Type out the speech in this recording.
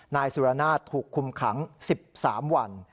นายสุรนาศถูกคุมขัง๑๓วัน